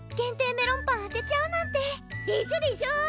メロンパン当てちゃうなんてでしょでしょ